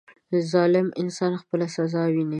• ظالم انسان خپله سزا ویني.